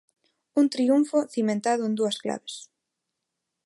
Un triunfo cimentado en dúas claves.